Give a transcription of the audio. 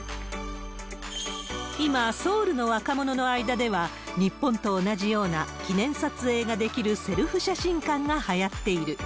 今、ソウルの若者の間では、日本と同じような記念撮影ができるセルフ写真館がはやっている。